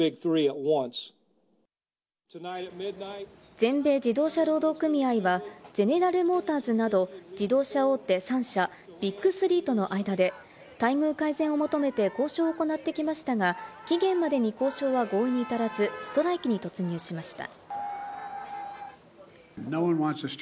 全米自動車労働組合はゼネラル・モーターズなど自動車大手３社、ビッグ３との間で待遇改善を求めて交渉を行ってきましたが、期限までに交渉は合意に至らずストライキに突入しました。